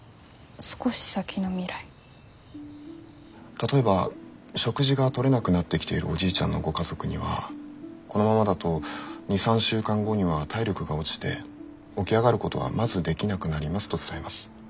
例えば食事が取れなくなってきているおじいちゃんのご家族にはこのままだと２３週間後には体力が落ちて起き上がることはまずできなくなりますと伝えます。